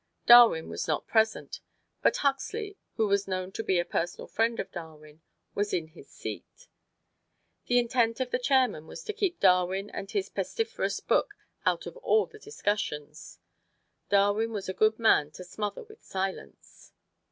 Darwin was not present; but Huxley, who was known to be a personal friend of Darwin, was in his seat. The intent of the chairman was to keep Darwin and his pestiferous book out of all the discussions: Darwin was a good man to smother with silence.